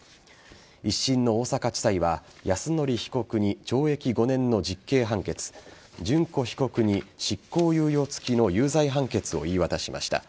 １審の大阪地裁は泰典被告に懲役５年の実刑判決諄子被告に執行猶予付きの有罪判決を言い渡しました。